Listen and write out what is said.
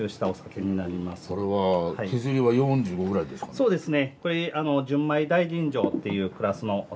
そうですね。